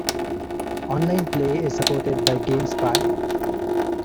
Online play is supported by GameSpy.